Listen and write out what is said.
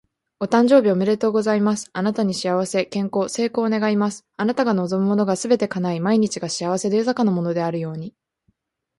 お誕生日おめでとうございます！あなたに幸せ、健康、成功を願います。あなたが望むものがすべて叶い、毎日が幸せで豊かなものであるように。